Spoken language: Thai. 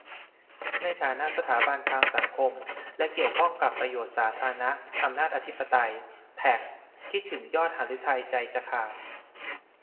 ในฐานะสถาบันทางสังคมและเกี่ยวข้องกับประโยชน์สาธารณะ-อำนาจอธิปไตย แท็ก คิดถึงยอดหฤทัยใจจะขาด